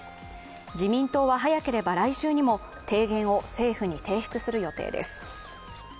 自民党は早ければ来週にも提言を政府に提出する予定です。